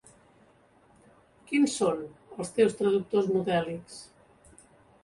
Quins són els teus traductors modèlics?